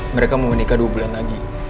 mereka mau menikah dua bulan lagi